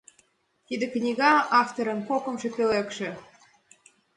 Тиде книга — авторын кокымшо пӧлекше.